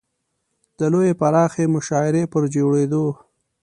د لویې پراخې مشاعرې پر جوړېدو.